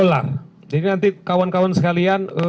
jadi nanti kawan kawan sekalian